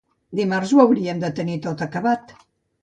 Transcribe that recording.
Dimarts ho hauríem de tenir tot acabat.